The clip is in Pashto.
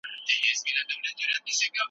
د ټولنې تاریخ مه هېروئ.